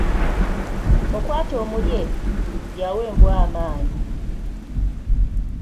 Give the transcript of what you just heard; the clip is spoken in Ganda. Mukwate omulye, y’awa embwa amaanyi.